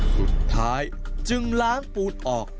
สุดท้ายจึงล้างปูนออก